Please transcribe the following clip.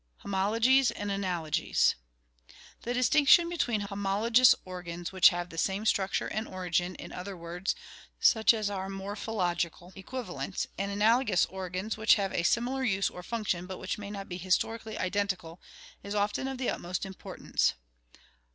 Homologies and Analogies. — The distinction between homol ogous organs which have the same structure and origin, in other words, such as are morphological (Gr. ft*op4>yy form) equivalents, and analogous organs which have a similar use or function but which may not be historically identical is often of the utmost im portance.